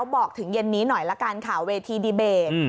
บอกถึงเย็นนี้หน่อยละกันค่ะเวทีดีเบต